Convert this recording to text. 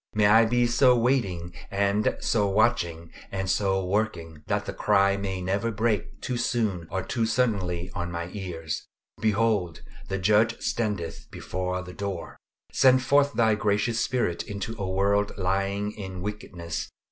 May I be so waiting and so watching, and so working, that the cry may never break too soon or too suddenly on my ears "Behold, the Judge standeth before the door!" Send forth thy gracious Spirit into a world lying in wickedness.